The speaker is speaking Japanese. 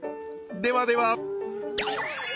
ではでは！